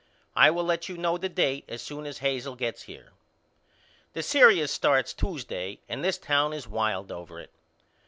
I will let you know the date as soon as Hazel gets here. The serious starts Tuesday and this town is wild over it.